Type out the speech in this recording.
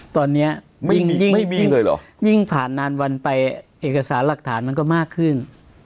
ตอนนี้ยิ่งผ่านนานวันไปเอกสารหลักฐานมันก็มากขึ้น